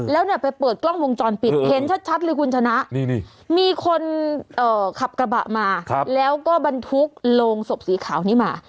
แล้วเนี่ยไปเปิดกล้องวงจรปิดเห็นชัดเลยคุณชนะมีคนขับกระบะมาแล้วก็บรรทุกโรงศพสีขาวนี้มา